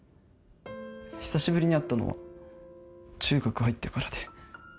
久しぶりに会ったのは中学入ってからで。